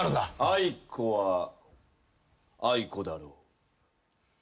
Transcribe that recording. あいこはあいこだろう。